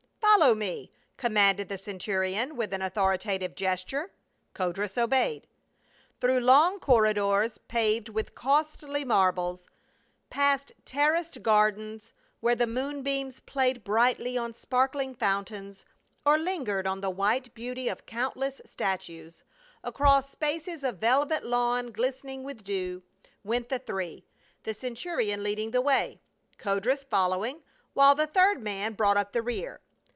60 PAUL. " Follow mc," commanded the centurion with an authoritative gesture. Codrus obeyed. Through long corridors paved with costly marbles, past terraced gardens, where the moonbeams played brightly on sparkling fountains or lingered on the white beauty of countless statues, acro.ss spaces of velvet lawn glistening with dew, went the three, the centu rion leading the way, Codrus following, while the third man brought up the rear.